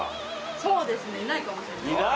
そうですねいないかもしれない。